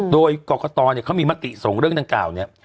โดยกรกตเนี่ยเขามีมติส่งเรื่องดังกล่าวเนี่ย